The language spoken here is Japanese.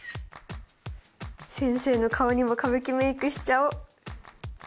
先生の顔にも歌舞伎メイクしちゃおう！